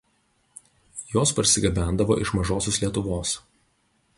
Jos parsigabendavo iš Mažosios Lietuvos.